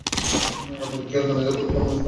আগামী এক বছরের দুনিয়ার প্রতিটা মানুষ মারা যাবে।